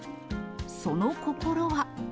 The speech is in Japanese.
その心は。